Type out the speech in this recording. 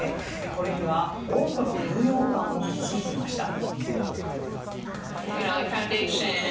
これには多くのニューヨーカーも気づいていました。